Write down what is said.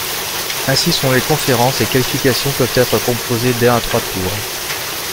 Ainsi, selon les conférences, les qualifications peuvent être composées d'un à trois tours.